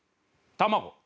卵。